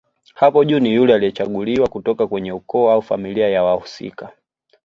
Hapo juu ni yule aliyechaguliwa kutoka kwenye ukoo au familia ya wahusika